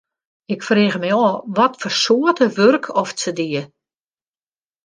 Ik frege my ôf watfoar soarte wurk oft se die.